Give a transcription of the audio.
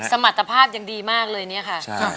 สมรรถภาพยังดีมากเลยเนี่ยค่ะ